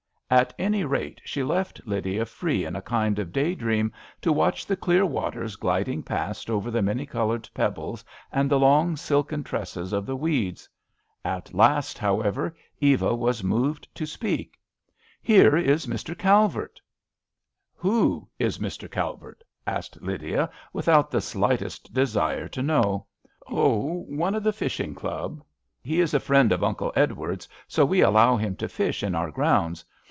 At any rate she left Lydia free in a kind of day dream to watch the clear waters gliding past over the many coloured pebbles and the long, silken tresses of the weeds. At last, however, Eva was moved to speak. " Here is Mr. Calvert.'* " Who is Mr. Calvert ?" asked Lydia, without the slightest de sire to know. 128 A RAINY DAY. " Oh, one of the fishing club. He is a friend of Uncle Edward's, so we allow him to fish in our grounds.